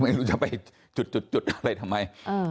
ไม่รู้จะไปจุดอะไรทำไม